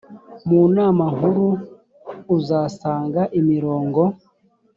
mu nama nkuru uzahasanga imirongo